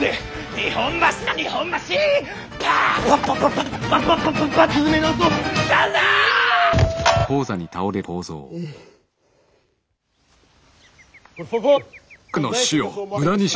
「日本橋だよ日本橋！」。